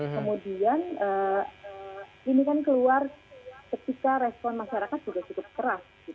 kemudian ini kan keluar ketika respon masyarakat juga cukup keras